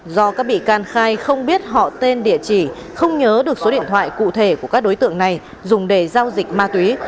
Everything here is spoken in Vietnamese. do các bị can khai không biết họ tên địa chỉ không nhớ được số điện thoại cụ thể của các đối tượng này dùng để giao dịch ma túy